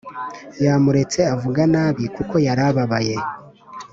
yamuretse avuga nabi kuko yarababaye